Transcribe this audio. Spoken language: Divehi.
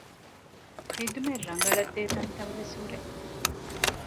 ޚިދުމަތް ރަނގަޅަށް ދޭ ތަންތަން ވެސް ހުރޭ